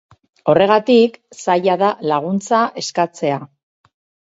Horregatik, zaila da laguntza eskatzea.